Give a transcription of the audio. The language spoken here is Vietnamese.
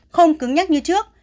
không cứng nhắc như trước